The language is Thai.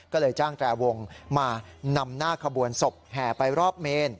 ก็เลยจ้างแตรวงมานำหน้าขบวนศพแห่ไปรอบเมน